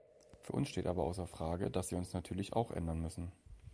Für uns steht aber außer Frage, dass wir uns natürlich auch ändern müssen.